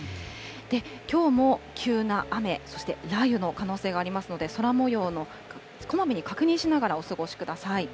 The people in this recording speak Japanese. きょうも急な雨、そして雷雨の可能性がありますので、空もようをこまめに確認しながらお過ごしください。